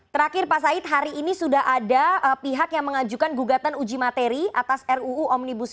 terakhir pak said hari ini sudah ada pihak yang mengajukan gugatan uji materi atas ruu omnibus